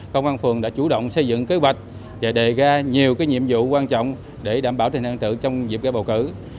công an phường đã chủ động xây dựng kế hoạch và đề ra nhiều nhiệm vụ quan trọng để đảm bảo tình hình thân tự trong dịp bầu cử